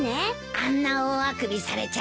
あんな大あくびされちゃ仕方ないか。